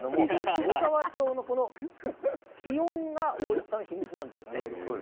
むかわ町の気温がおいしさの秘密なんですよね。